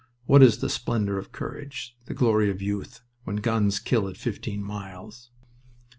What is the splendor of courage, the glory of youth, when guns kill at fifteen miles?"